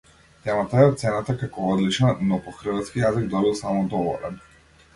Темата е оценета како одлична, но по хрватски јазик добил само доволен.